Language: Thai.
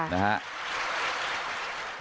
นะฮะ